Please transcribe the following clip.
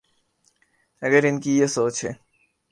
اگر ان کی یہ سوچ ہے۔